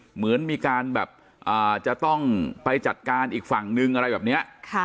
เหมือนมีการแบบจะต้องไปจัดการอีกฝั่งนึงอะไรแบบนี้